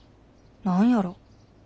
何やろ。